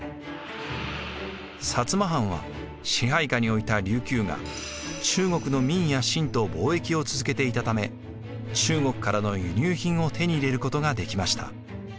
摩藩は支配下に置いた琉球が中国の明や清と貿易を続けていたため中国からの輸入品を手に入れることができました。